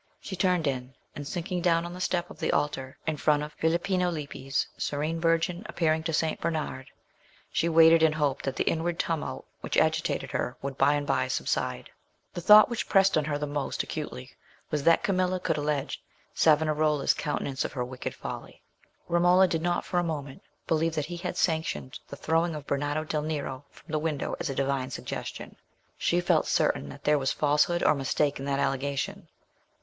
She turned in, and sinking down on the step of the altar in front of Filippino Lippi's serene Virgin appearing to Saint Bernard, she waited in hope that the inward tumult which agitated her would by and by subside. The thought which pressed on her the most acutely was that Camilla could allege Savonarola's countenance of her wicked folly. Romola did not for a moment believe that he had sanctioned the throwing of Bernardo del Nero from the window as a Divine suggestion; she felt certain that there was falsehood or mistake in that allegation.